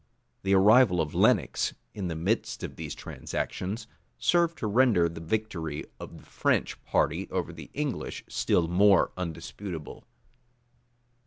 The arrival of Lenox, in the midst of these transactions, served to render the victory of the French party over the English still more undisputable.